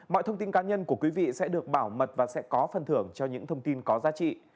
mọi thông tin cá nhân của quý vị sẽ được bảo mật và sẽ có phần thưởng cho những thông tin có giá trị